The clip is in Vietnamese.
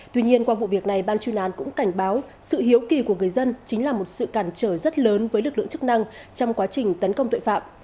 tuy nhiên qua vụ việc này ban chuyên án cũng cảnh báo sự hiếu kỳ của người dân chính là một sự cản trở rất lớn với lực lượng chức năng trong quá trình tấn công tội phạm